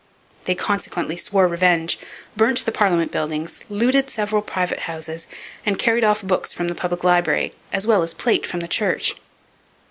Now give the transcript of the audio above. They consequently swore revenge, burnt the parliament buildings, looted several private houses, and carried off books from the public library as well as plate from the church.